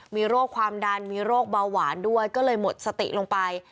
มีโรคความดันมีโรคเบาหวานด้วยก็เลยหมดสติลงไป